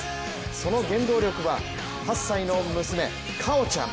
その原動力は８歳の娘果緒ちゃん。